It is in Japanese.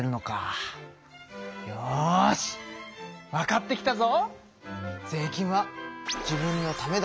よしわかってきたぞ！